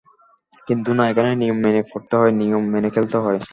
কিন্তু না, এখানে নিয়ম মেনে পড়তে হয়, নিয়ম মেনে খেলতে হয়।